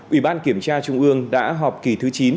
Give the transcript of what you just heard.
ủy ban kiểm tra trung ương đã họp kỳ thứ chín